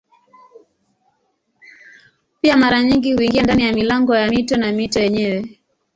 Pia mara nyingi huingia ndani ya milango ya mito na mito yenyewe.